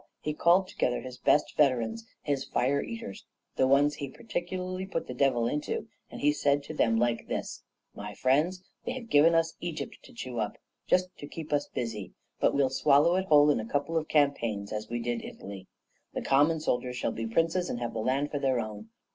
He called together his best veterans, his fire eaters, the ones he had particularly put the devil into, and he said to them like this: 'My friends, they have given us Egypt to chew up, just to keep us busy, but we'll swallow it whole in a couple of campaigns, as we did Italy. The common soldiers shall be princes and have the land for their own.